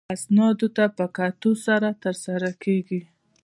اسنادو ته په کتو سره ترسره کیږي.